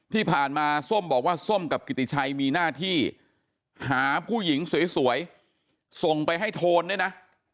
ที่ผ่านมาส้มบอกว่าส้มกับกิติชัยมีหน้าที่หาผู้หญิงสวยส่งไปให้โทนด้วยนะ